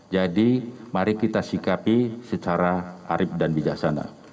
jadi mari kita sikapi secara arif dan bijaksana